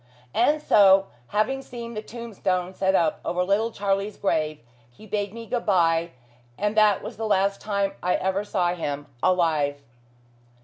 And so, having seen the tombstone set up over little Charlie's grave, he bade me good bye, and that was the last time I ever saw him, alive.